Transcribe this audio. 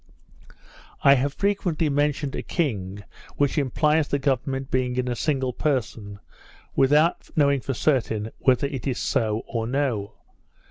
I have frequently mentioned a king, which implies the government being in a single person, without knowing for certain whether it is so or no.